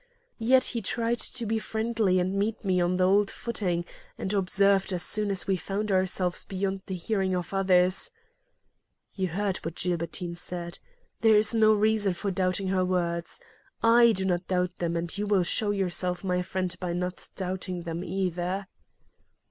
Yet he tried to be friendly and meet me on the old footing, and observed as soon as we found ourselves beyond the hearing of others: "You heard what Gilbertine said. There is no reason for doubting her words. I do not doubt them and you will show yourself my friend by not doubting them either."